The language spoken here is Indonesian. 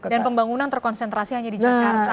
dan pembangunan terkonsentrasi hanya di jakarta